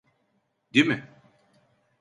Di mi?